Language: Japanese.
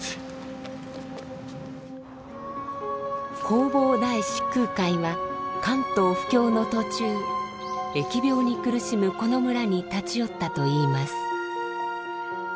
弘法大師・空海は関東布教の途中疫病に苦しむこの村に立ち寄ったといいます。